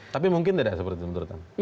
tapi mungkin tidak seperti itu menurut anda